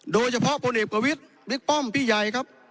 โดยเฉพาะพลเอกประวิทย์บิ๊กป้อมพี่ใหญ่ครับ